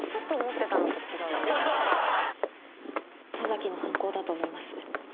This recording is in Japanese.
十崎の犯行だと思います。